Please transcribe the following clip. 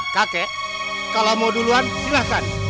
kakek kalau mau duluan silahkan